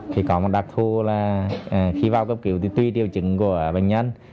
thì có một đặc thu là khi vào cấp cứu thì tùy tiêu chứng của bệnh nhân